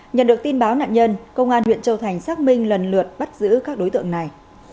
nhận được tin báo nạn nhân công an huyện châu thành xác minh lần lượt bắt giữ các đối tượng này